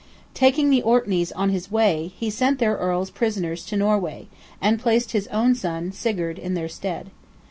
Taking the Orkneys on his way, he sent their Earls prisoners to Norway, and placed his own son, Sigurd, in their stead.